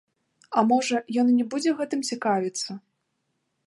А можа, ён і не будзе гэтым цікавіцца?